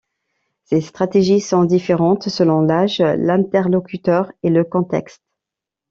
Ces stratégies sont différentes selon l'âge, l'interlocuteur et le contexte.